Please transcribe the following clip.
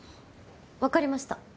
わかりました。